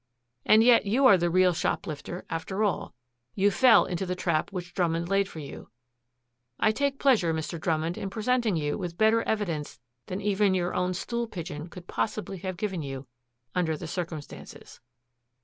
"And yet, you are the real shoplifter, after all. You fell into the trap which Drummond laid for you. I take pleasure, Mr. Drummond, in presenting you with better evidence than even your own stool pigeon could possibly have given you under the circumstances."